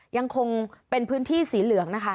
ยังคงเป็นพื้นที่สีเหลืองนะคะ